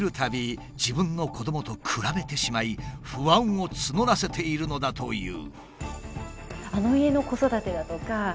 自分の子どもと比べてしまい不安を募らせているのだという。